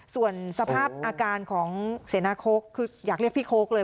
ส่วนสภาพอาการของเสนาโค้กคืออยากเรียกพี่โค้กเลย